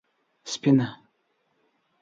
_سفينه؟